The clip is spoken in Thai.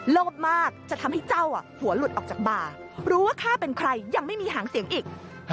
โลภมากจะทำให้เจ้าหัวหลุดออกจากบ่ารู้ว่าข้าเป็นใครยังไม่มีหางเสียงอีก